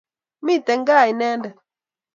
miten gaa inendet